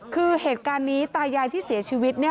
คือเหตุการณ์นี้ตายายที่เสียชีวิต